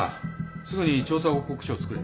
すぐに調査報告書を作れ。